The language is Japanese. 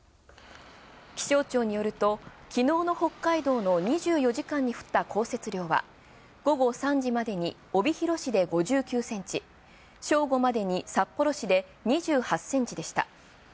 気象庁によると昨日の北海道の２４時間に降った降雪量は午後３時までに帯広市で、５９センチ、正午までに札幌市で２８センチでした。